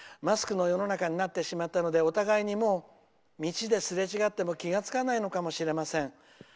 マスクの世の中になってしまったのでお互いにもう、道ですれ違っても気が付かないのかもしれません。